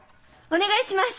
お願いします！